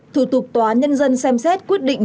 thủ tục toán nhân dân xem xét quyết định